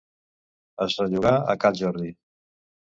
Es rellogà a cal Jordi.